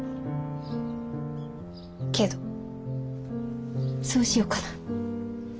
けどそうしようかな。